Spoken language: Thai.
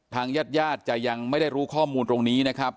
ทางญาติญาติจะยังไม่ได้รู้ข้อมูลตรงนี้นะครับ